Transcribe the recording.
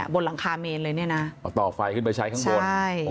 บนหลังคาเมนเอาต่อไฟขึ้นไปใช้ข้างบน